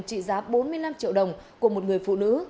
trị giá bốn mươi năm triệu đồng của một người phụ nữ